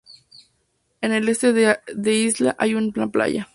En el este de la isla hay una playa.